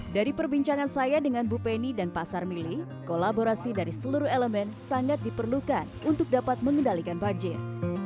dari perbincangan saya dengan bu penny dan pak sarmili kolaborasi dari seluruh elemen sangat diperlukan untuk dapat mengendalikan banjir